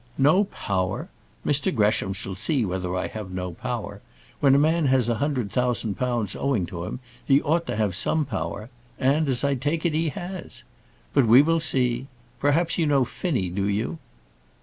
"No power! Mr Gresham shall see whether I have no power. When a man has a hundred thousand pounds owing to him he ought to have some power; and, as I take it, he has. But we will see. Perhaps you know Finnie, do you?"